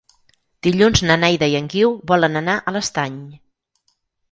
Dilluns na Neida i en Guiu volen anar a l'Estany.